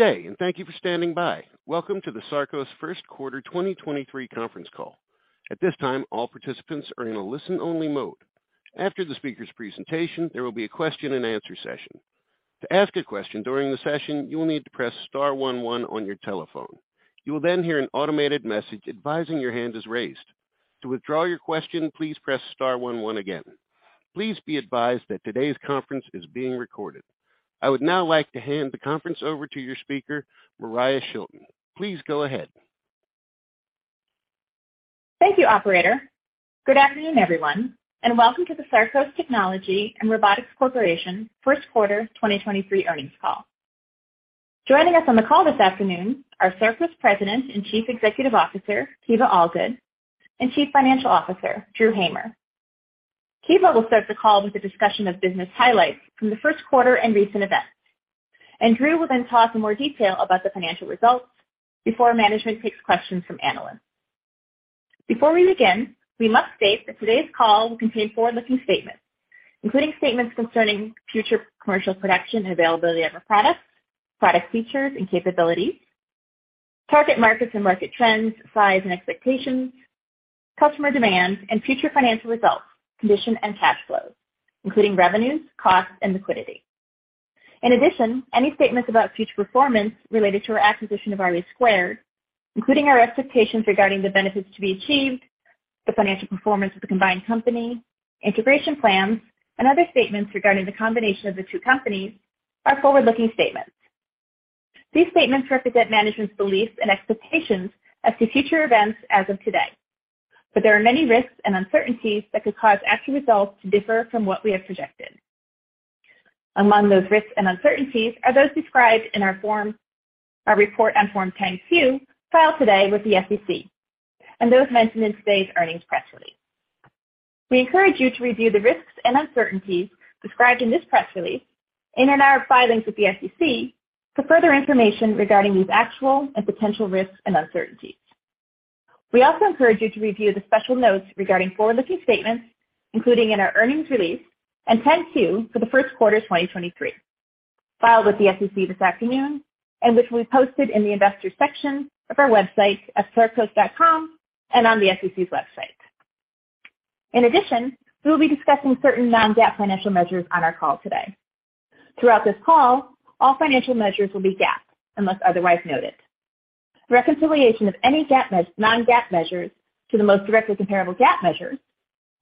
Good day. Thank you for standing by. Welcome to the Sarcos First Quarter 2023 conference call. At this time, all participants are in a listen-only mode. After the speaker's presentation, there will be a question-and-answer session. To ask a question during the session, you will need to press star one one on your telephone. You will then hear an automated message advising your hand is raised. To withdraw your question, please press star one one again. Please be advised that today's conference is being recorded. I would now like to hand the conference over to your speaker, Moriah Shilton. Please go ahead. Thank you, operator. Good afternoon, everyone, and welcome to the Sarcos Technology and Robotics Corporation First Quarter 2023 earnings call. Joining us on the call this afternoon are Sarcos President and Chief Executive Officer, Kiva Allgood, and Chief Financial Officer, Drew Hamer. Kiva will start the call with a discussion of business highlights from the first quarter and recent events. Drew will then talk in more detail about the financial results before management takes questions from analysts. Before we begin, we must state that today's call will contain forward-looking statements, including statements concerning future commercial production and availability of our products, product features and capabilities, target markets and market trends, size and expectations, customer demands and future financial results, condition and cash flows, including revenues, costs and liquidity. In addition, any statements about future performance related to our acquisition of RE2 Robotics, including our expectations regarding the benefits to be achieved, the financial performance of the combined company, integration plans, and other statements regarding the combination of the two companies are forward-looking statements. These statements represent management's beliefs and expectations as to future events as of today. There are many risks and uncertainties that could cause actual results to differ from what we have projected. Among those risks and uncertainties are those described in our form, our report on Form 10-Q, filed today with the SEC, and those mentioned in today's earnings press release. We encourage you to review the risks and uncertainties described in this press release and in our filings with the SEC for further information regarding these actual and potential risks and uncertainties. We also encourage you to review the special notes regarding forward-looking statements, including in our earnings release, and 10-Q for the first quarter 2023, filed with the SEC this afternoon and which we posted in the investors section of our website at sarcos.com and on the SEC's website. We will be discussing certain non-GAAP financial measures on our call today. Throughout this call, all financial measures will be GAAP unless otherwise noted. Reconciliation of any non-GAAP measures to the most directly comparable GAAP measures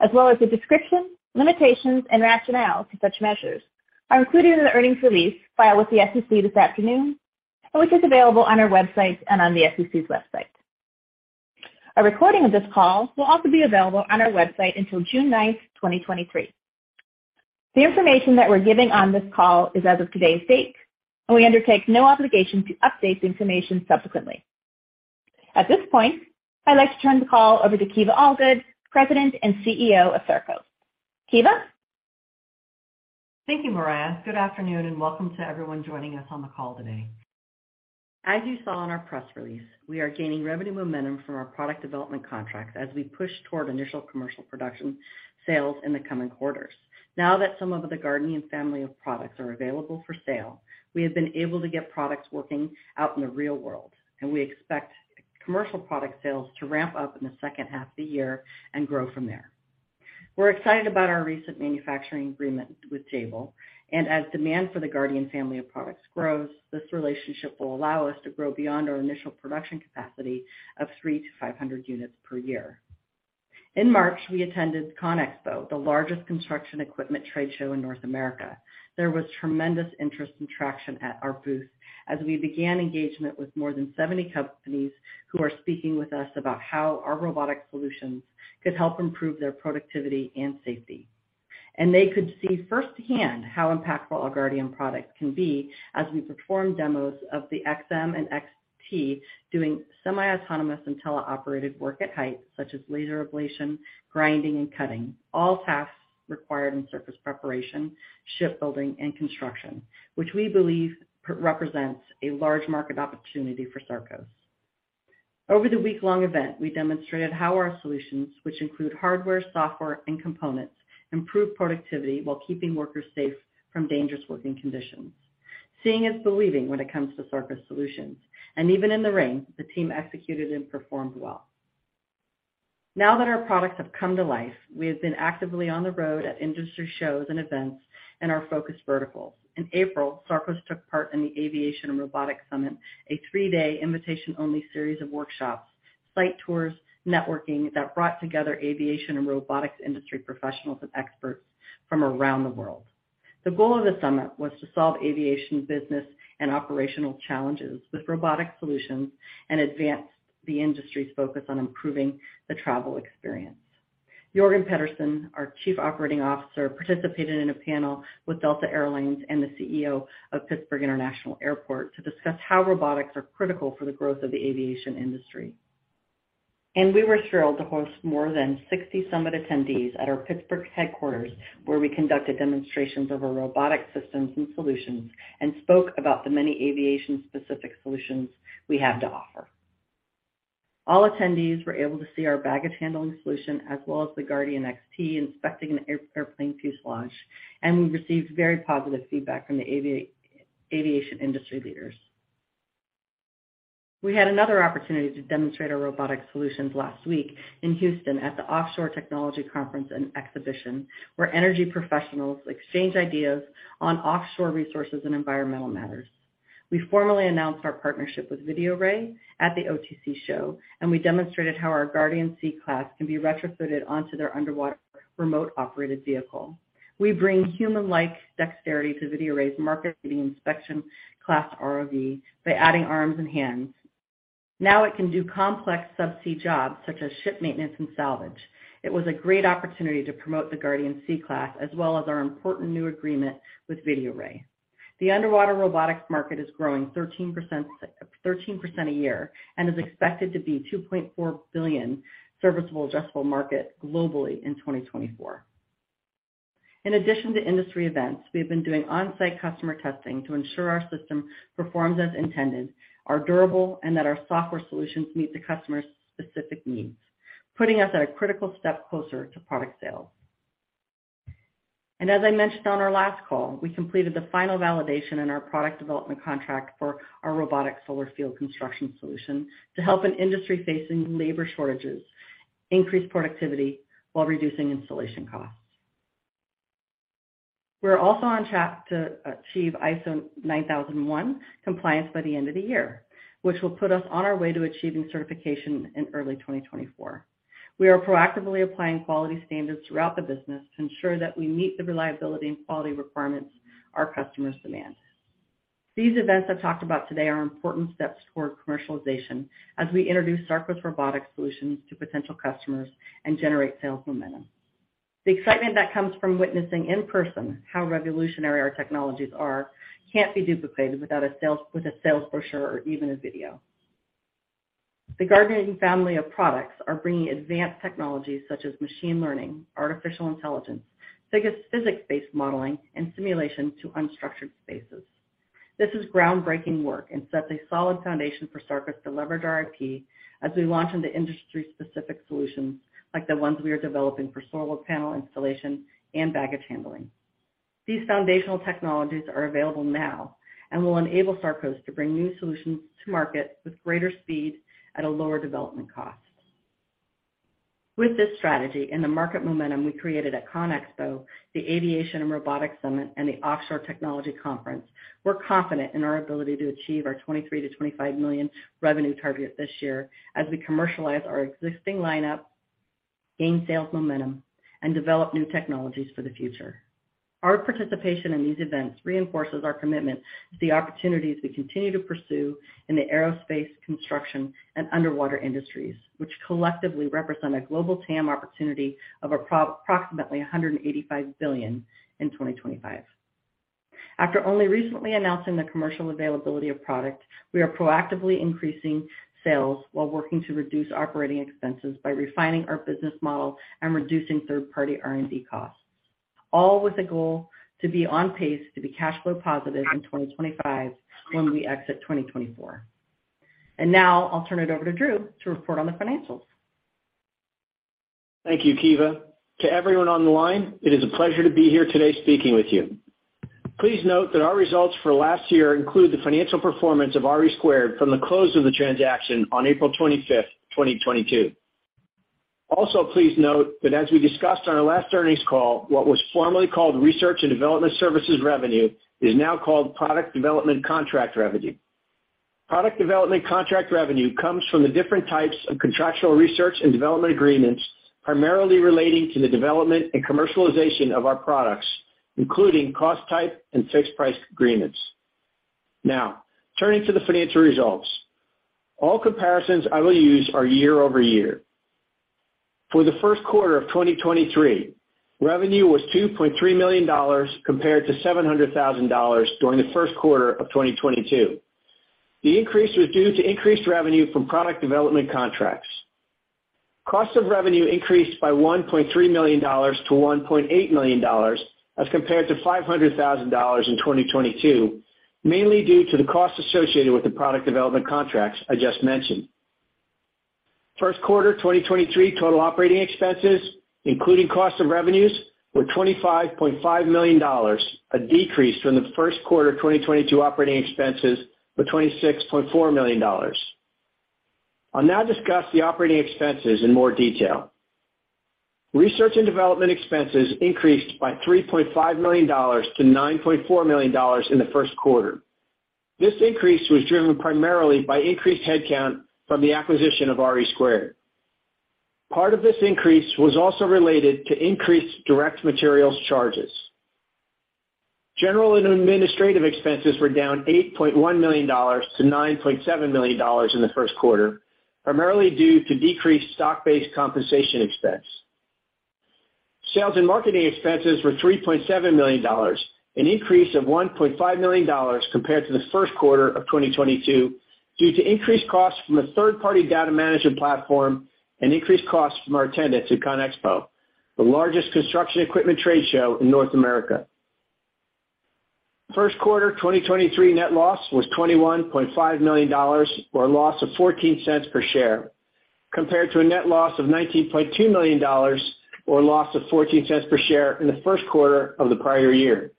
as well as the description, limitations and rationale to such measures are included in the earnings release filed with the SEC this afternoon and which is available on our website and on the SEC's website. A recording of this call will also be available on our website until June 9th, 2023. The information that we're giving on this call is as of today's date. We undertake no obligation to update the information subsequently. At this point, I'd like to turn the call over to Kiva Allgood, President and CEO of Sarcos. Kiva? Thank you, Mariah. Good afternoon, and welcome to everyone joining us on the call today. As you saw in our press release, we are gaining revenue momentum from our product development contracts as we push toward initial commercial production sales in the coming quarters. Now that some of the Guardian family of products are available for sale, we have been able to get products working out in the real world, and we expect commercial product sales to ramp up in the second half of the year and grow from there. We're excited about our recent manufacturing agreement with Jabil, and as demand for the Guardian family of products grows, this relationship will allow us to grow beyond our initial production capacity of 300-500 units per year. In March, we attended CONEXPO, the largest construction equipment trade show in North America. There was tremendous interest and traction at our booth as we began engagement with more than 70 companies who are speaking with us about how our robotic solutions could help improve their productivity and safety. They could see firsthand how impactful our Guardian product can be as we performed demos of the XM and XT doing semi-autonomous and teleoperated work at height, such as laser ablation, grinding, and cutting, all tasks required in surface preparation, shipbuilding, and construction, which we believe represents a large market opportunity for Sarcos. Over the week-long event, we demonstrated how our solutions, which include hardware, software, and components, improve productivity while keeping workers safe from dangerous working conditions. Seeing is believing when it comes to Sarcos solutions, and even in the rain, the team executed and performed well. Now that our products have come to life, we have been actively on the road at industry shows and events in our focus verticals. In April, Sarcos took part in the Aviation & Robotics Summit, a three-day invitation-only series of workshops, site tours, networking that brought together aviation and robotics industry professionals and experts from around the world. The goal of the summit was to solve aviation business and operational challenges with robotic solutions and advance the industry's focus on improving the travel experience. Jorgen Pedersen, our chief operating officer, participated in a panel with Delta Air Lines and the CEO of Pittsburgh International Airport to discuss how robotics are critical for the growth of the aviation industry. We were thrilled to host more than 60 summit attendees at our Pittsburgh headquarters, where we conducted demonstrations of our robotic systems and solutions and spoke about the many aviation-specific solutions we have to offer. All attendees were able to see our baggage handling solution as well as the Guardian XT inspecting an airplane fuselage, and we received very positive feedback from the aviation industry leaders. We had another opportunity to demonstrate our robotic solutions last week in Houston at the Offshore Technology Conference and Exhibition, where energy professionals exchange ideas on offshore resources and environmental matters. We formally announced our partnership with VideoRay at the OTC show, and we demonstrated how our Guardian Sea Class can be retrofitted onto their underwater remote-operated vehicle. We bring human-like dexterity to VideoRay's market-leading inspection class ROV by adding arms and hands. Now it can do complex subsea jobs such as ship maintenance and salvage. It was a great opportunity to promote the Guardian Sea Class as well as our important new agreement with VideoRay. The underwater robotics market is growing 13% a year and is expected to be $2.4 billion serviceable adjustable market globally in 2024. In addition to industry events, we have been doing on-site customer testing to ensure our system performs as intended, are durable, and that our software solutions meet the customer's specific needs, putting us at a critical step closer to product sales. As I mentioned on our last call, we completed the final validation in our product development contract for our robotic solar field construction solution to help an industry facing labor shortages increase productivity while reducing installation costs. We're also on track to achieve ISO 9001 compliance by the end of the year, which will put us on our way to achieving certification in early 2024. We are proactively applying quality standards throughout the business to ensure that we meet the reliability and quality requirements our customers demand. These events I've talked about today are important steps toward commercialization as we introduce Sarcos robotic solutions to potential customers and generate sales momentum. The excitement that comes from witnessing in person how revolutionary our technologies are can't be duplicated without a sales brochure or even a video. The Guardian family of products are bringing advanced technologies such as machine learning, artificial intelligence, physics-based modeling, and simulation to unstructured spaces. This is groundbreaking work and sets a solid foundation for Sarcos to leverage our IP as we launch into industry-specific solutions like the ones we are developing for solar panel installation and baggage handling. These foundational technologies are available now and will enable Sarcos to bring new solutions to market with greater speed at a lower development cost. With this strategy and the market momentum we created at CONEXPO-CON/AGG, the Aviation & Robotics Summit, and the Offshore Technology Conference, we're confident in our ability to achieve our $23 million-$25 million revenue target this year as we commercialize our existing lineup, gain sales momentum, and develop new technologies for the future. Our participation in these events reinforces our commitment to the opportunities we continue to pursue in the aerospace, construction, and underwater industries, which collectively represent a global TAM opportunity of approximately $185 billion in 2025. After only recently announcing the commercial availability of product, we are proactively increasing sales while working to reduce operating expenses by refining our business model and reducing third-party R&D costs, all with a goal to be on pace to be cash flow positive in 2025 when we exit 2024. Now I'll turn it over to Drew to report on the financials. Thank you, Kiva. To everyone on the line, it is a pleasure to be here today speaking with you. Please note that our results for last year include the financial performance of RE2 Robotics from the close of the transaction on April 25th, 2022. Please note that as we discussed on our last earnings call, what was formerly called research and development services revenue is now called product development contract revenue. Product development contract revenue comes from the different types of contractual research and development agreements, primarily relating to the development and commercialization of our products, including cost type and fixed-price agreements. Turning to the financial results. All comparisons I will use are year-over-year. For the first quarter of 2023, revenue was $2.3 million compared to $700,000 during the first quarter of 2022. The increase was due to increased revenue from product development contracts. Cost of revenue increased by $1.3 million to $1.8 million as compared to $500,000 in 2022, mainly due to the cost associated with the product development contracts I just mentioned. First quarter, 2023, total operating expenses, including cost of revenues, were $25.5 million, a decrease from the first quarter 2022 operating expenses of $26.4 million. I'll now discuss the operating expenses in more detail. Research and development expenses increased by $3.5 million to $9.4 million in the first quarter. This increase was driven primarily by increased headcount from the acquisition of RE2 Robotics. Part of this increase was also related to increased direct materials charges. General and administrative expenses were down $8.1 million to $9.7 million in the first quarter, primarily due to decreased stock-based compensation expense. Sales and marketing expenses were $3.7 million, an increase of $1.5 million compared to the first quarter of 2022 due to increased costs from a third-party data management platform and increased costs from our attendance at ConExpo, the largest construction equipment trade show in North America. First quarter 2023 net loss was $21.5 million, or a loss of $0.14 per share, compared to a net loss of $19.2 million or a loss of $0.14 per share in the first quarter of the prior year.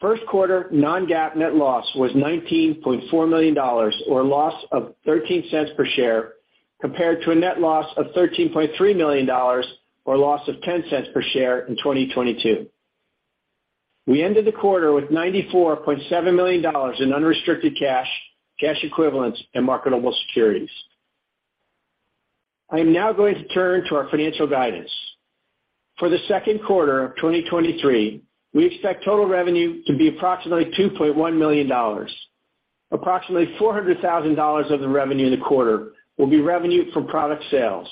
First quarter non-GAAP net loss was $19.4 million or a loss of $0.13 per share, compared to a net loss of $13.3 million or a loss of $0.10 per share in 2022. We ended the quarter with $94.7 million in unrestricted cash equivalents, and marketable securities. I am now going to turn to our financial guidance. For the second quarter of 2023, we expect total revenue to be approximately $2.1 million. Approximately $400,000 of the revenue in the quarter will be revenue from product sales.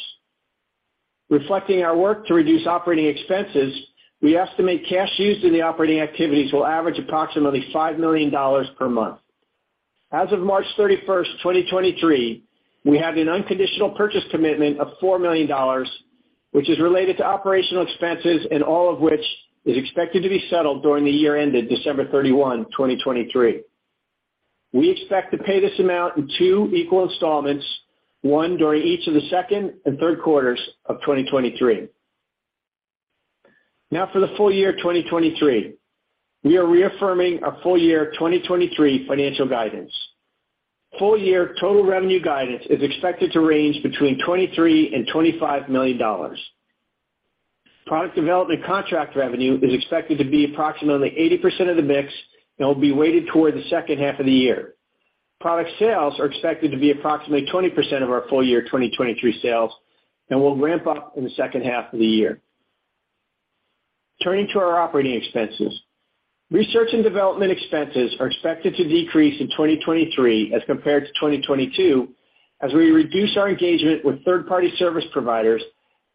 Reflecting our work to reduce operating expenses, we estimate cash used in the operating activities will average approximately $5 million per month. As of March 31, 2023, we have an unconditional purchase commitment of $4 million, which is related to OpEx and all of which is expected to be settled during the year ending December 31, 2023. We expect to pay this amount in two equal installments, one during each of the second and third quarters of 2023. For the full year 2023. We are reaffirming our full year 2023 financial guidance. Full year total revenue guidance is expected to range between $23 million-$25 million. Product development contract revenue is expected to be approximately 80% of the mix and will be weighted toward the second half of the year. Product sales are expected to be approximately 20% of our full year 2023 sales and will ramp up in the second half of the year. Turning to our OpEx. Research and development expenses are expected to decrease in 2023 as compared to 2022 as we reduce our engagement with third-party service providers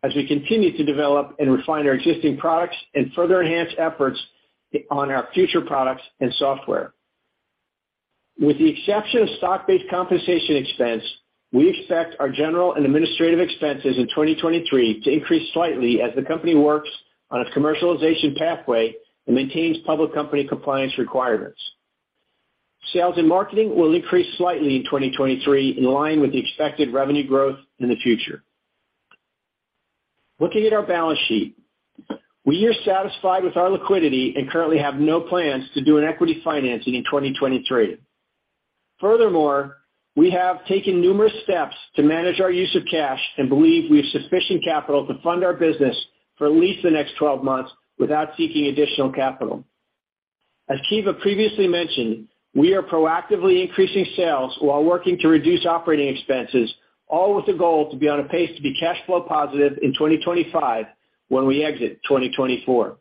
as we continue to develop and refine our existing products and further enhance efforts on our future products and software. With the exception of stock-based compensation expense, we expect our general and administrative expenses in 2023 to increase slightly as the company works on its commercialization pathway and maintains public company compliance requirements. Sales and marketing will increase slightly in 2023 in line with the expected revenue growth in the future. Looking at our balance sheet. We are satisfied with our liquidity and currently have no plans to do an equity financing in 2023. Furthermore, we have taken numerous steps to manage our use of cash and believe we have sufficient capital to fund our business for at least the next 12 months without seeking additional capital. As Kiva previously mentioned, we are proactively increasing sales while working to reduce operating expenses, all with the goal to be on a pace to be cash flow positive in 2025 when we exit 2024.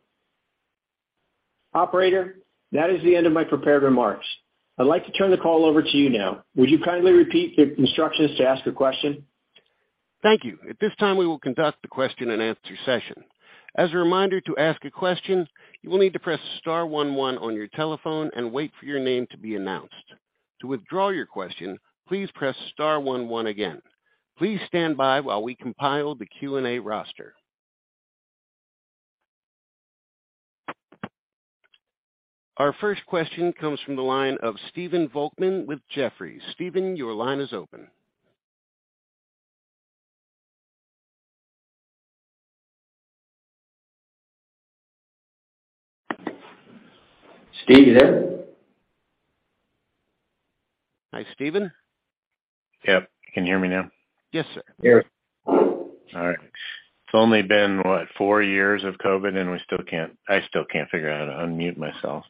Operator, that is the end of my prepared remarks. I'd like to turn the call over to you now. Would you kindly repeat the instructions to ask a question? Thank you. At this time, we will conduct the question-and-answer session. As a reminder, to ask a question, you will need to press star one one on your telephone and wait for your name to be announced. To withdraw your question, please press star one one again. Please stand by while we compile the Q&A roster. Our first question comes from the line of Stephen Volkmann with Jefferies. Steven, your line is open. Steve, you there? Hi, Stephen. Yep. Can you hear me now? Yes, sir. Yes. All right. It's only been, what, 4 years of COVID. We still can't, I still can't figure out how to unmute myself.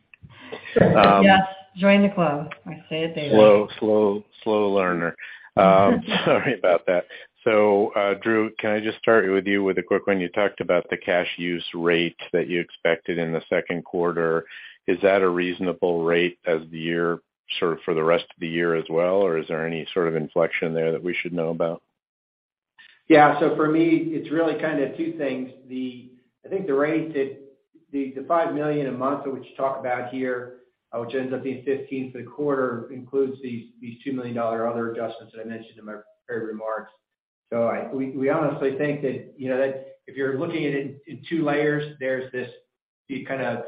Yes. Join the club. I say it daily. Slow, slow learner. Sorry about that. Drew, can I just start with you with a quick one? You talked about the cash use rate that you expected in the second quarter. Is that a reasonable rate as sort of for the rest of the year as well, or is there any sort of inflection there that we should know about? For me, it's really kind of 2 things. I think the rate that the $5 million a month of which you talk about here, which ends up being $15 million for the quarter, includes these $2 million other adjustments that I mentioned in my prepared remarks. We honestly think that, you know, if you're looking at it in 2 layers, there's the kind of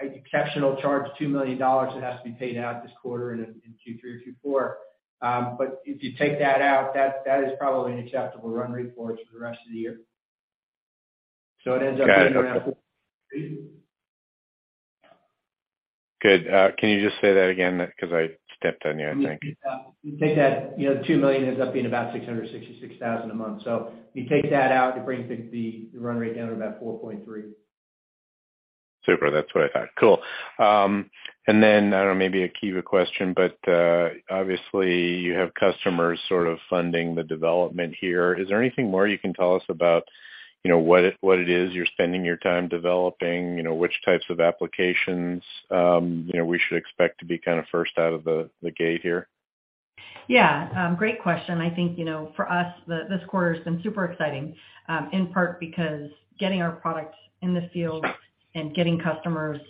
exceptional charge, $2 million that has to be paid out this quarter and in Q3 or Q4. If you take that out, that is probably an acceptable run rate for us for the rest of the year. It ends up being about- Got it. Okay. Good. Can you just say that again? 'Cause I stepped on you, I think. Yeah. You take that, you know, $2 million ends up being about $666,000 a month. You take that out, it brings the run rate down to about $4.3 million. Super. That's what I thought. Cool. I don't know, maybe a Kiva question, but, obviously, you have customers sort of funding the development here. Is there anything more you can tell us about, you know, what it, what it is you're spending your time developing? You know, which types of applications, you know, we should expect to be kinda first out of the gate here? Yeah. great question. I think, you know, for us, this quarter has been super exciting, in part because getting our product in the field and getting customers,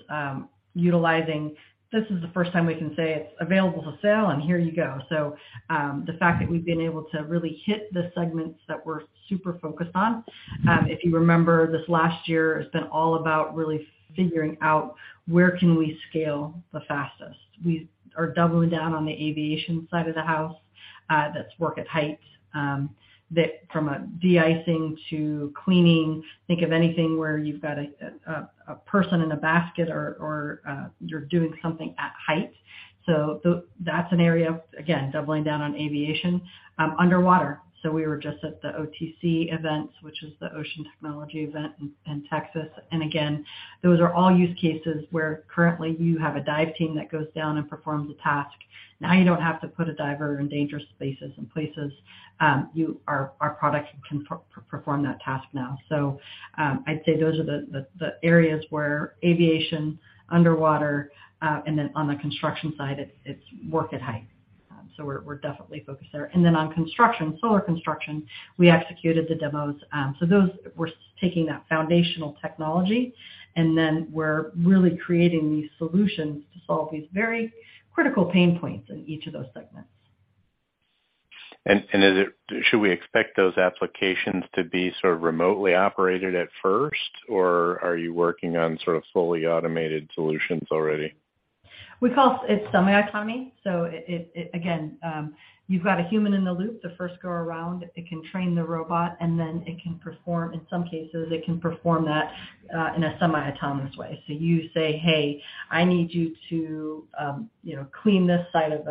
utilizing This is the first time we can say it's available for sale, here you go. The fact that we've been able to really hit the segments that we're super focused on. If you remember this last year, it's been all about really figuring out where can we scale the fastest. We are doubling down on the aviation side of the house. That's work at height, that from a de-icing to cleaning. Think of anything where you've got a person in a basket or you're doing something at height. That's an area, again, doubling down on aviation. Underwater. We were just at the OTC events, which is the Ocean Technology event in Texas. Again, those are all use cases where currently you have a dive team that goes down and performs a task. Now you don't have to put a diver in dangerous spaces and places. Our product can perform that task now. I'd say those are the areas where aviation, underwater, and then on the construction side, it's work at height. We're definitely focused there. On construction, solar construction, we executed the demos. Those we're taking that foundational technology, and then we're really creating these solutions to solve these very critical pain points in each of those segments. Should we expect those applications to be sort of remotely operated at first, or are you working on sort of fully automated solutions already? We call it semi-autonomy. It, again, you've got a human in the loop, the first go around, it can train the robot, and then it can perform. In some cases, it can perform that in a semi-autonomous way. You say, "Hey, I need you to, you know, clean this side of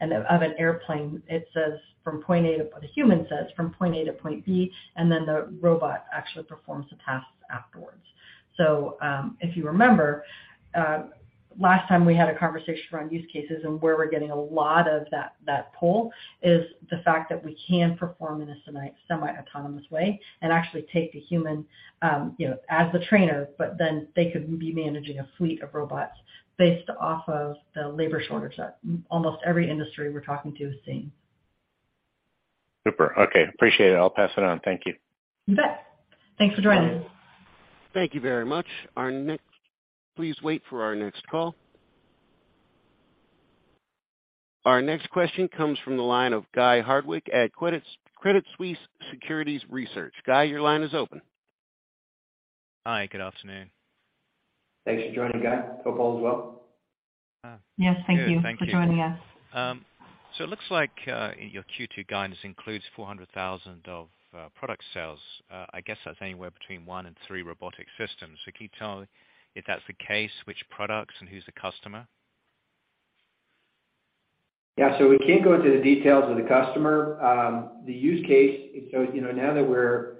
an airplane." The human says, from point A to point B, then the robot actually performs the tasks afterwards. If you remember, last time we had a conversation around use cases and where we're getting a lot of that pull is the fact that we can perform in a semi-autonomous way and actually take the human, you know, as the trainer, but then they could be managing a fleet of robots based off of the labor shortage that almost every industry we're talking to is seeing. Super. Okay, appreciate it. I'll pass it on. Thank you. You bet. Thanks for joining. Thank you very much. Please wait for our next call. Our next question comes from the line of Guy Hardwick at Credit Suisse Securities Research. Guy, your line is open. Hi, good afternoon. Thanks for joining, Guy. Hope all is well. Yes, thank you for joining us. It looks like your Q2 guidance includes $400,000 of product sales. I guess that's anywhere between 1 and 3 robotic systems. Can you tell if that's the case, which products and who's the customer? We can't go into the details of the customer. The use case, so, you know, now that we're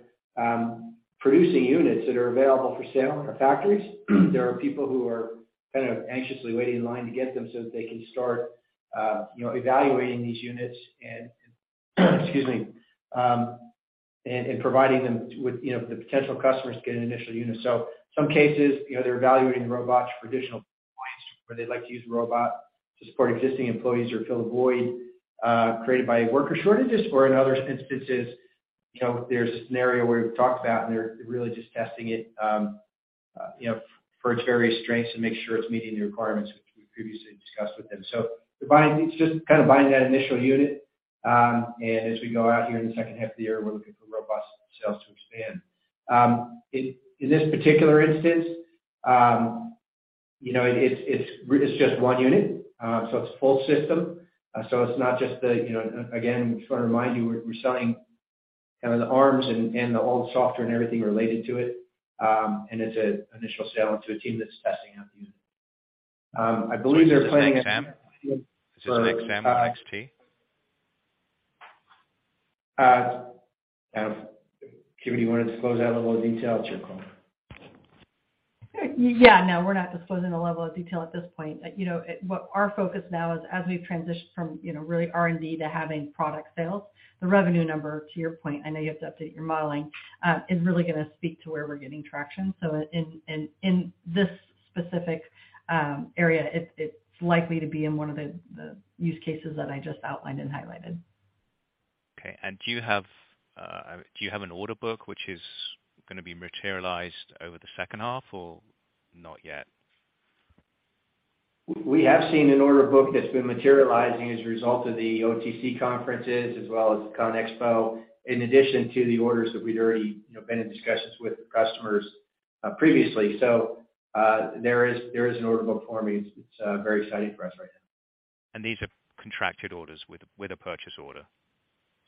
producing units that are available for sale in our factories, there are people who are kind of anxiously waiting in line to get them so that they can start, you know, evaluating these units and, excuse me, and providing them with, you know, the potential customers to get an initial unit. Some cases, you know, they're evaluating robots for additional points where they'd like to use the robot to support existing employees or fill a void created by worker shortages or in other instances, you know, there's a scenario where we've talked about and they're really just testing it, you know, for its various strengths to make sure it's meeting the requirements which we previously discussed with them. It's just kind of buying that initial unit. And as we go out here in the second half of the year, we're looking for robust sales to expand. In this particular instance, you know, it's just one unit. So it's a full system. So it's not just the, you know, again, just wanna remind you, we're selling kind of the arms and the whole software and everything related to it. And it's an initial sale to a team that's testing out the unit. I believe they're planning. Is this an exam? Is this an exam or an X.P.? kind of. Kimmy, you wanna disclose that level of detail? It's your call. Yeah. No, we're not disclosing the level of detail at this point. You know, what our focus now is as we transition from, you know, really R&D to having product sales, the revenue number, to your point, I know you have to update your modeling, is really gonna speak to where we're getting traction. In this specific area, it's likely to be in one of the use cases that I just outlined and highlighted. Okay. Do you have, do you have an order book which is gonna be materialized over the second half or not yet? We have seen an order book that's been materializing as a result of the OTC conferences as well as CONEXPO, in addition to the orders that we'd already, you know, been in discussions with the customers previously. There is an order book forming. It's very exciting for us right now. These are contracted orders with a purchase order?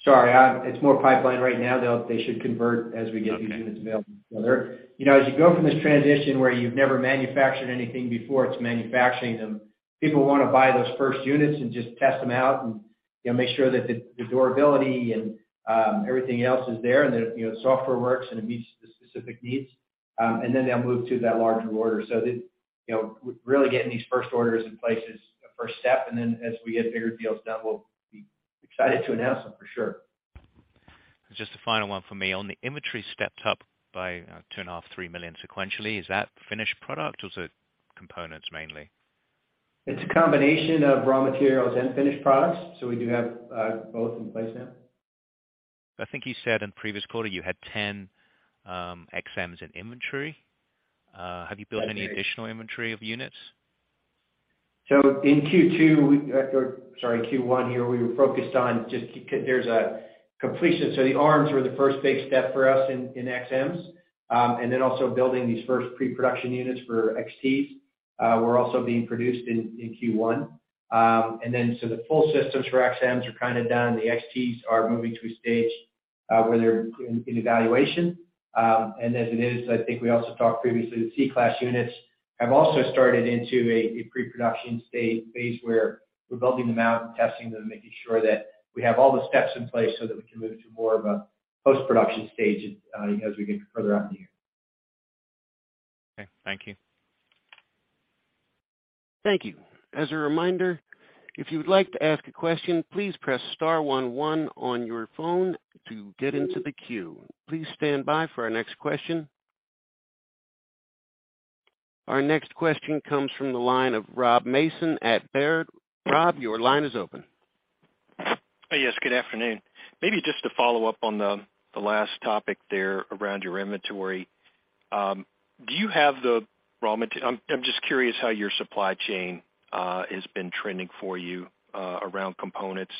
Sorry, it's more pipeline right now. They should convert as we get these units available together. You know, as you go from this transition where you've never manufactured anything before to manufacturing them, people wanna buy those first units and just test them out and, you know, make sure that the durability and everything else is there and the, you know, software works and it meets the specific needs. And then they'll move to that larger order. Really getting these first orders in place is the first step, and then as we get bigger deals done, we'll be excited to announce them for sure. Just a final one for me. On the inventory stepped up by, two and a half, $3 million sequentially. Is that finished product or is it components mainly? It's a combination of raw materials and finished products. We do have both in place now. I think you said in previous quarter you had 10 XMs in inventory. Have you built any additional inventory of units? In Q2, or sorry, Q1 here, we were focused on just there's a completion. The arms were the first big step for us in XMs. Also building these first pre-production units for XTs were also being produced in Q1. The full systems for XMs are kind of done. The XTs are moving to a stage where they're in evaluation. As it is, I think we also talked previously, the C-class units have also started into a pre-production phase, where we're building them out and testing them, making sure that we have all the steps in place so that we can move to more of a post-production stage, you know, as we get further out in the year. Okay, thank you. Thank you. As a reminder, if you would like to ask a question, please press star one one on your phone to get into the queue. Please stand by for our next question. Our next question comes from the line of Rob Mason at Baird. Rob, your line is open. Yes, good afternoon. Maybe just to follow up on the last topic there around your inventory. I'm just curious how your supply chain has been trending for you around components.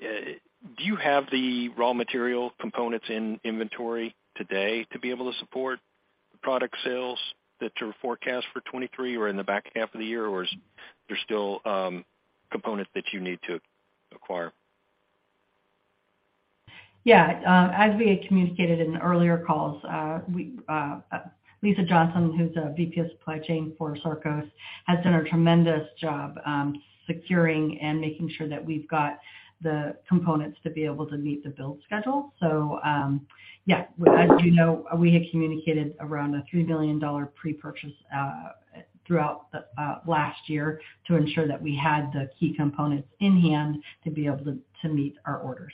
Do you have the raw material components in inventory today to be able to support product sales that are forecast for 2023 or in the back half of the year? Or is there still components that you need to acquire? Yeah. As we had communicated in earlier calls, Lisa Johnson, who's our VP of Supply Chain for Sarcos, has done a tremendous job securing and making sure that we've got the components to be able to meet the build schedule. As you know, we had communicated around a $3 billion pre-purchase throughout the last year to ensure that we had the key components in hand to be able to meet our orders.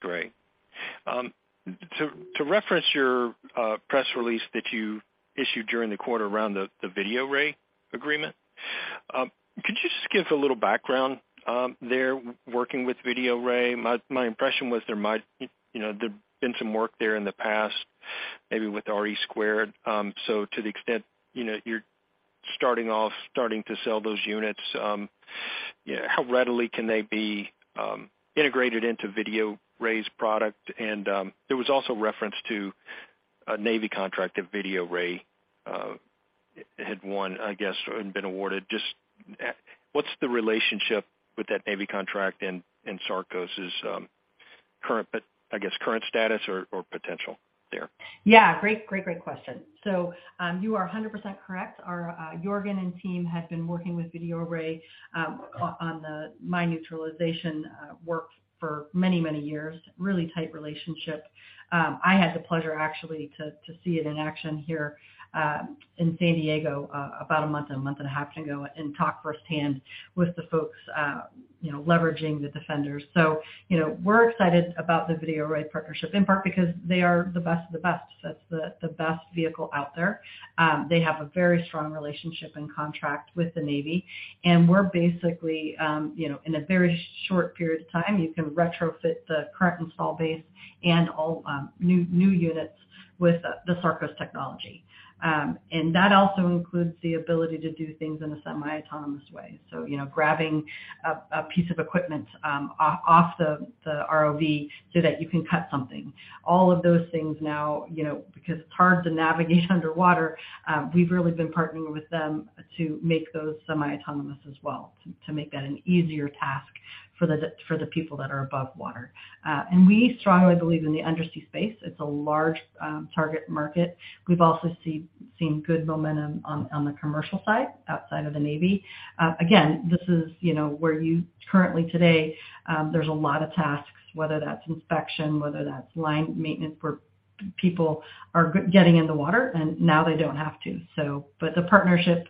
Great. To reference your press release that you issued during the quarter around the VideoRay agreement. Could you just give a little background working with VideoRay? My impression was there might there'd been some work there in the past, maybe with RE2 Robotics. So to the extent you're starting off, starting to sell those units, how readily can they be integrated into VideoRay's product? There was also reference to a Navy contract that VideoRay had won, I guess, or had been awarded. What's the relationship with that Navy contract and Sarcos's current status or potential there? Yeah. Great question. You are 100% correct. Our Jorgen and team have been working with VideoRay on the mine neutralization work for many years. Really tight relationship. I had the pleasure actually to see it in action here in San Diego about a month and a half ago, and talk firsthand with the folks, you know, leveraging the Defender. You know, we're excited about the VideoRay partnership, in part because they are the best of the best. That's the best vehicle out there. They have a very strong relationship and contract with the Navy, and we're basically, you know, in a very short period of time, you can retrofit the current install base and all new units with the Sarcos technology. That also includes the ability to do things in a semi-autonomous way. You know, grabbing a piece of equipment off the ROV so that you can cut something. All of those things now, you know, because it's hard to navigate underwater, we've really been partnering with them to make those semi-autonomous as well, to make that an easier task for the people that are above water. We strongly believe in the undersea space. It's a large target market. We've also seen good momentum on the commercial side, outside of the Navy. Again, this is, you know, where you currently today, there's a lot of tasks, whether that's inspection, whether that's line maintenance, where people are getting in the water, and now they don't have to. The partnership,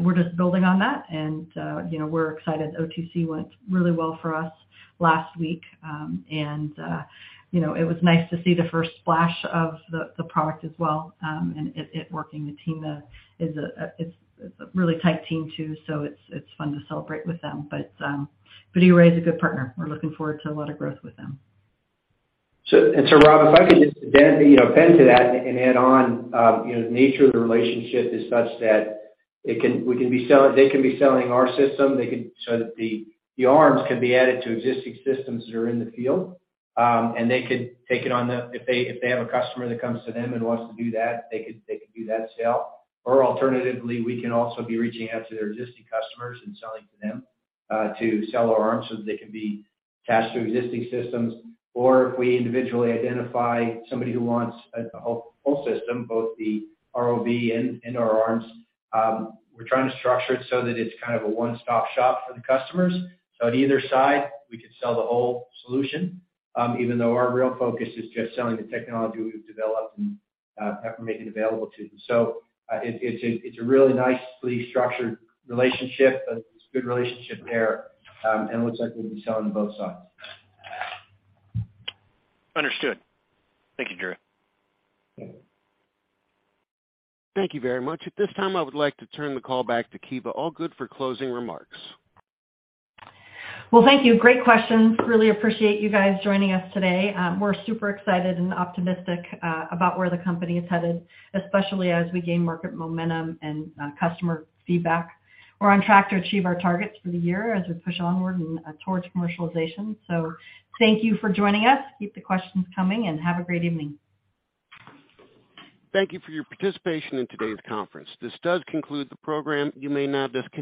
we're just building on that and, you know, we're excited. OTC went really well for us last week. You know, it was nice to see the first splash of the product as well, and it working. The team is a really tight team, too, so it's fun to celebrate with them. VideoRay is a good partner. We're looking forward to a lot of growth with them. Rob, if I could just add, you know, add to that and add on. You know, the nature of the relationship is such that they can be selling our system. The, the arms can be added to existing systems that are in the field. They could take it on if they, if they have a customer that comes to them and wants to do that, they could, they could do that sale. Alternatively, we can also be reaching out to their existing customers and selling to them, to sell our arms so that they can be attached to existing systems. If we individually identify somebody who wants the whole system, both the ROV and our arms, we're trying to structure it so that it's kind of a one-stop shop for the customers. On either side, we could sell the whole solution, even though our real focus is just selling the technology we've developed and have to make it available to them. It's a really nicely structured relationship, but it's a good relationship there. Looks like we'll be selling both sides. Understood. Thank you, Drew. Thank you very much. At this time, I would like to turn the call back to Kiva Allgood for closing remarks. Well, thank you. Great questions. Really appreciate you guys joining us today. We're super excited and optimistic about where the company is headed, especially as we gain market momentum and customer feedback. We're on track to achieve our targets for the year as we push onward and towards commercialization. Thank you for joining us. Keep the questions coming, have a great evening. Thank you for your participation in today's conference. This does conclude the program. You may now disconnect.